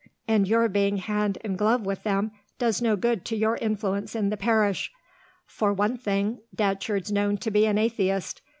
And your being hand and glove with them does no good to your influence in the parish. For one thing, Datcherd's known to be an atheist.